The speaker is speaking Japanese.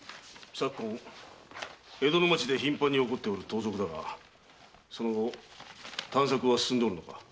昨今江戸の町でひんぱんに起こる盗賊だがその後探索は進んでおるのか？